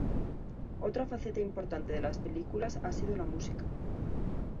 Otra faceta importante de las películas ha sido la música.